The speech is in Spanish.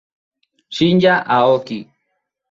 Shinya Aoki